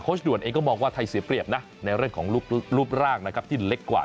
ด่วนเองก็มองว่าไทยเสียเปรียบนะในเรื่องของรูปร่างนะครับที่เล็กกว่า